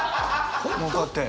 もうこうやって。